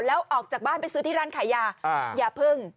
แล้วออกจากบ้านไปซื้อที่ร้านขายยาอย่าพึ่ง